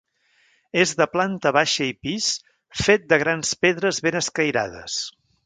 És de planta baixa i pis, fet de grans pedres ben escairades.